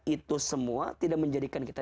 itu semua tidak menjadikan kita